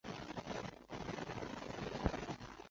萨松亦为他幸存的手稿作注释。